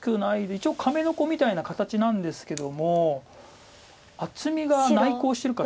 一応亀の甲みたいな形なんですけども厚みが内向してるから。